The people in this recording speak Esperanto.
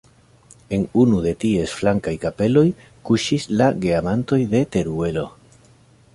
En unu de ties flankaj kapeloj kuŝis la Geamantoj de Teruelo.